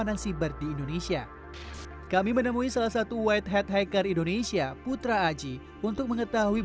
lalu siapa sebenarnya entitas bernama biorka ini